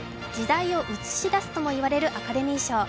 時代を映し出すともいわれるアカデミー賞。